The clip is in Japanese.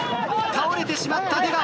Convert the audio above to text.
倒れてしまった出川。